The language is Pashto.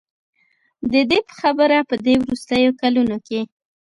د دې په خبره په دې وروستیو کلونو کې